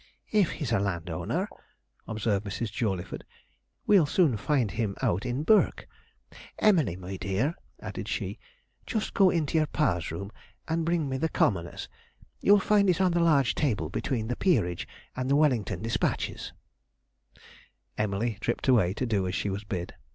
'If he's a landowner,' observed Mrs. Jawleyford 'we'll soon find him out in Burke. Emily, my dear,' added she, 'just go into your pa's room, and bring me the Commoners you'll find it on the large table between the Peerage and the Wellington Despatches.' Emily tripped away to do as she was bid.